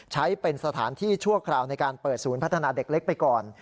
ใช้เป็นสถานที่ชั่วคราวในการเปิดศูนย์พัฒนาเด็กเล็กไปก่อน